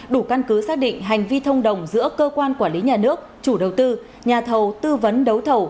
đủ căn cứ xác định hành vi thông đồng giữa cơ quan quản lý nhà nước chủ đầu tư nhà thầu tư vấn đấu thầu